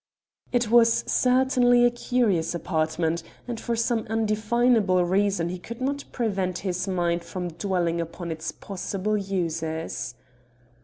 It was certainly a curious apartment, and for some undefinable reason he could not prevent his mind from dwelling upon its possible uses.